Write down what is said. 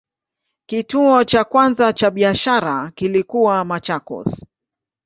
Kituo cha kwanza cha biashara kilikuwa Machakos.